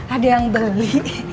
ada yang beli